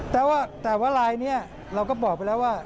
แต่ว่าลายนี้เราก็บอกไปแล้วว่า